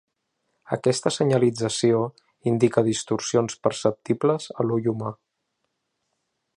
Aquesta senyalització indica distorsions perceptibles a l'ull humà.